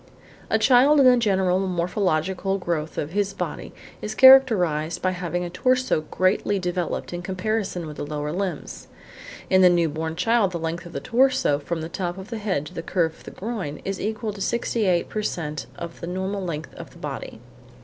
A child in the general morphological growth of his body is characterised by having a torso greatly developed in comparison with the lower limbs. In the new born child the length of the torso, from the top of the head to the curve of the groin, is equal to 68 per cent of the total length of the body.